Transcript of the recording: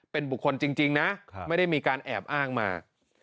เป็นบุคคลจริงนะไม่ได้มีการแอบอ้างมา